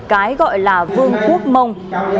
cái gọi là vương quốc mông